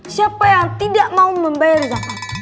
siapa yang tidak mau membayar zakat